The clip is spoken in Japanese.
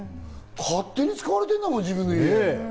勝手に使われてるんだもん、自分の家。